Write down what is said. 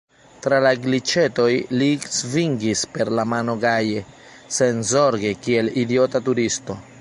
Tra la giĉetoj li svingis per la mano gaje, senzorge, kiel idiota turisto.